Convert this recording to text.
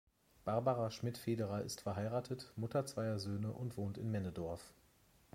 Barbara Schmid-Federer ist verheiratet, Mutter zweier Söhne und wohnt in Männedorf.